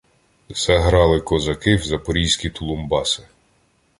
Заграли козаки в Запорозькі Тулумбаси.